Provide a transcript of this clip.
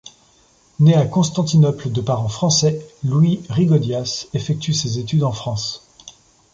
Né à Constantinople de parents français, Louis Rigaudias effectue ses études en France.